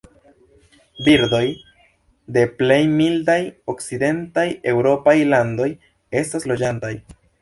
Birdoj de plej mildaj okcidentaj eŭropaj landoj estas loĝantaj.